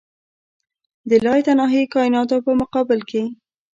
د لایتناهي کایناتو په مقابل کې.